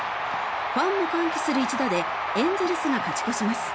ファンも歓喜する一打でエンゼルスが勝ち越します。